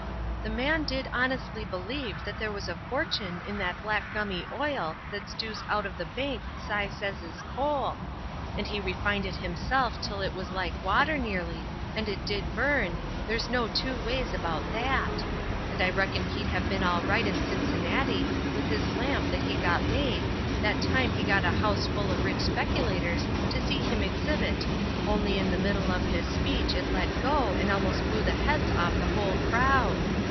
The man did honestly believe there was a fortune in that black gummy oil that stews out of the bank Si says is coal; and he refined it himself till it was like water, nearly, and it did burn, there's no two ways about that; and I reckon he'd have been all right in Cincinnati with his lamp that he got made, that time he got a house full of rich speculators to see him exhibit only in the middle of his speech it let go and almost blew the heads off the whole crowd.